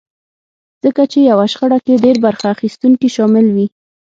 ځکه چې يوه شخړه کې ډېر برخه اخيستونکي شامل وي.